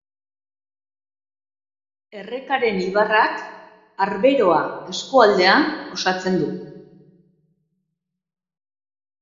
Errekaren ibarrak Arberoa eskualdea osatzen du.